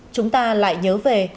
chúng ta lại nhớ về